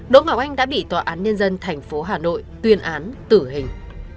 đỗ ngọc anh đã bị tòa án nhân dân thành phố hà nội tuyên án tử hình